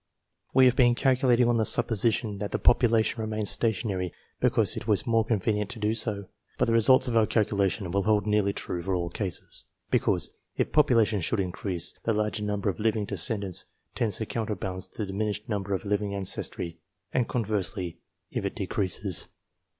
We have been calculating on the supposition that the population remains stationary, because it was more con venient to do so, but the results of our calculation will hold nearly true for all cases. Because, if population should increase, the larger number of living descendants tends to counterbalance the diminished number of living ancestry ; and, conversely, if it decreases.